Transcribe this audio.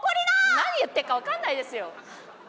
何言ってるかわかんないですよ！